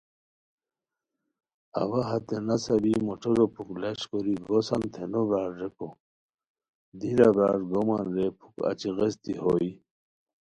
اوا ہتے نسہ بی موٹرو پُھک لش کوری گوسان تھے نو برار ریکو، دی لہ برار گومان رے پُھک اچی غیستی ہوئے